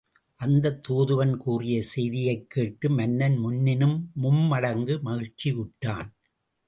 அந்தத் தூதுவன் கூறிய செய்தியைக் கேட்டு, மன்னன் முன்னினும் மும் மடங்கு மகிழ்ச்சியுற்றான்.